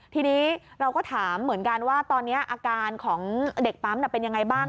ทีนี้เราก็ถามเหมือนกันว่าตอนนี้อาการของเด็กปั๊มเป็นยังไงบ้าง